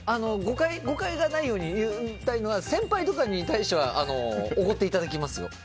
誤解がないように言いたいのは先輩とかに対してはおごっていただきますよ。